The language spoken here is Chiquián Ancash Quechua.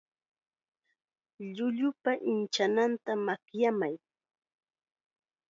Llullupa inchananta makyamay.